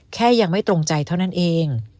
แค่ยังไม่ตรงใจเท่านั้นเอง